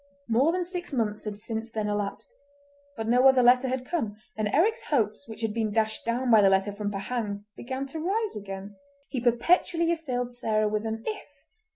More than six months had since then elapsed, but no other letter had come, and Eric's hopes which had been dashed down by the letter from Pahang, began to rise again. He perpetually assailed Sarah with an "if!"